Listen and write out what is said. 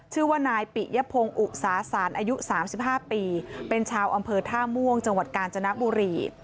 ชื่อว่านายปิยพงศ์อุตสาศาลอายุ๓๕ปีเป็นชาวอำเภอท่าม่วงจังหวัดกาญจนบุรี